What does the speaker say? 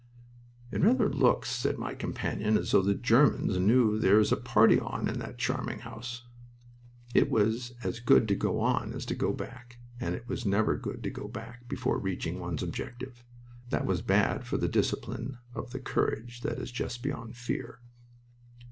"It rather looks," said my companion, "as though the Germans knew there is a party on in that charming house." It was as good to go on as to go back, and it was never good to go back before reaching one's objective. That was bad for the discipline of the courage that is just beyond fear.